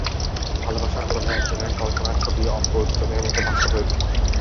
ভালবাসার ফলে একজনের কল্পনার ছবি অপর জনের মধ্যে বাস্তব হয়ে ওঠে।